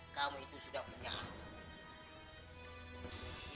kamu itu sudah punya